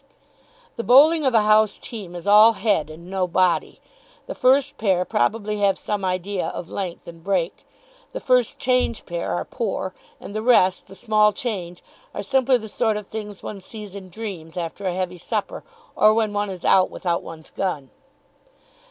The bowling of a house team is all head and no body. The first pair probably have some idea of length and break. The first change pair are poor. And the rest, the small change, are simply the sort of things one sees in dreams after a heavy supper, or when one is out without one's gun.